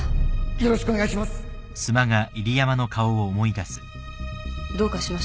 よろしくお願いします